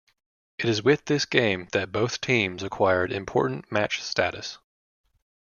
It is with this game that both teams acquired important match status.